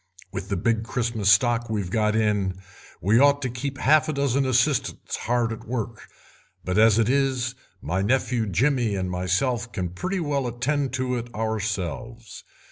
With the big Christmas stock we've got in we ought to keep half a dozen assistants hard at work, but as it is my nephew Jimmy and myself can pretty well attend to it ourselves.